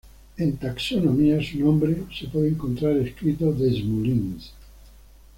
En taxonomía, su nombre se puede encontrar escrito Des Moulins.